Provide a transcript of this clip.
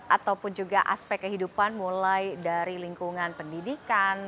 ataupun juga aspek kehidupan mulai dari lingkungan pendidikan